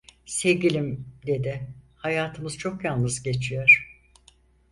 "Sevgilim" dedi, "hayatımız çok yalnız geçiyor.